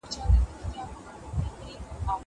زه له سهاره مېوې راټولوم.